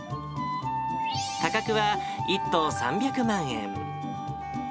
価格は１棟３００万円。